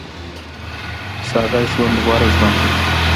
ساده ژوند غوره ژوند دی